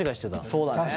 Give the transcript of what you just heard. そうだね。